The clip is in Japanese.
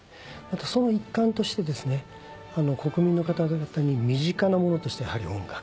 その一環として国民の方々に身近なものとしてやはり音楽。